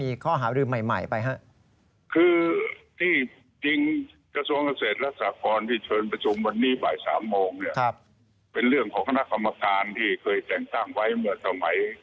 นะครับและถึงหาบริงประชุมของพนักคำภัยที่จะเป็นปัญหาในปัญหาในวันที่๕กิโลโลวาระเทอร์